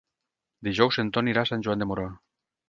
Dijous en Ton irà a Sant Joan de Moró.